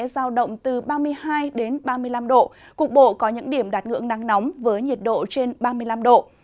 giao động từ ba mươi hai ba mươi năm độ cục bộ có những điểm đạt ngưỡng nắng nóng với nhiệt độ trên ba mươi năm độ